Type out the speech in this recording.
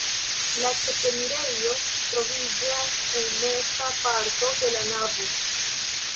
La ĉefenirejo troviĝas en meza parto de la navo.